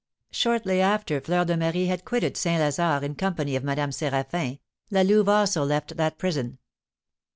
Shortly after Fleur de Marie had quitted St. Lazare in company of Madame Séraphin, La Louve also left that prison.